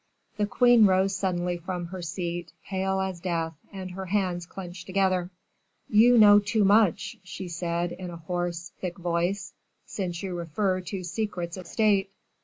'" The queen rose suddenly from her seat, pale as death, and her hands clenched together: "You know too much," she said, in a hoarse, thick voice, "since you refer to secrets of state.